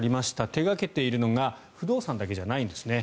手掛けているのが不動産だけじゃないんですね。